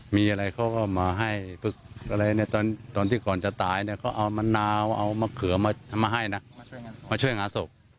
มีอะไรเขาก็มาให้ฝึกอะไรเนี่ยตอนที่ก่อนจะตายเนี่ยเขาเอามะนาวเอามะเขือมาให้นะมาช่วยหาศพ